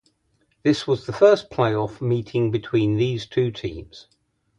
This was the first playoff meeting between these two teams.